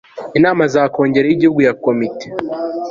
inama za kongere y igihugu komite